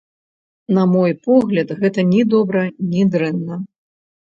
На мой погляд, гэта ні добра, ні дрэнна.